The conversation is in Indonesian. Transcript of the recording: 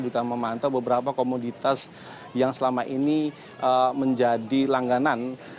juga memantau beberapa komoditas yang selama ini menjadi langganan